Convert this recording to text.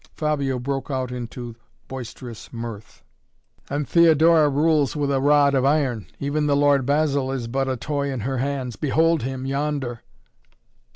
Fabio broke out into boisterous mirth. "And Theodora rules with a rod of iron. Even the Lord Basil is but a toy in her hands! Behold him, yonder."